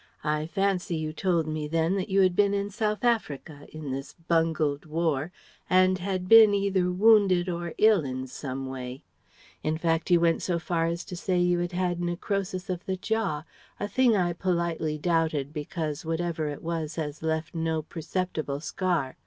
I fancy you told me then that you had been in South Africa, in this bungled war, and had been either wounded or ill in some way. In fact you went so far as to say you had had 'necrosis of the jaw,' a thing I politely doubted because whatever it was it has left no perceptible scar.